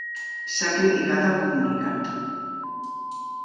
S'ha criticat el comunicat.